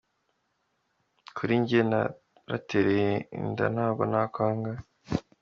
Kuri njye narateye inda ntabwo nakwanga.